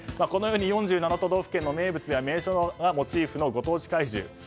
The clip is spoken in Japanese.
このように４７都道府県の名物や名所がモチーフのご当地怪獣。